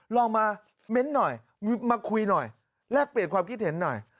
ลองมาเม้นต์หน่อยมาคุยหน่อยแลกเปลี่ยนความคิดเห็นหน่อย